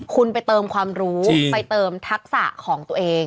คุณไปเติมความรู้ไปเติมทักษะของตัวเอง